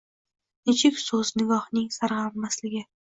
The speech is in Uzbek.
Nechuk soz nigohning sarg’armasligi